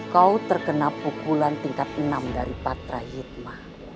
kau terkena pukulan tingkat enam dari patra hitmah